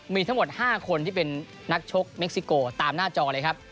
มีทั้งหมด๕คนที่เป็นนักชกเม็กซิโกตามหน้าจอเลยครับ